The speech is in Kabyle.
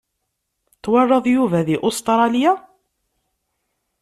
Twalaḍ Yuba di Ustralya?